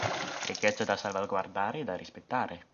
Ricchezza da salvaguardare e da rispettare.